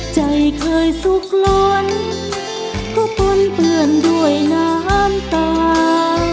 ใจเคยสุขล้นก็ปนเปื้อนด้วยน้ำตา